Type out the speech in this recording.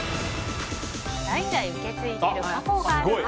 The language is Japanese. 代々受け継いでいる家宝があるか。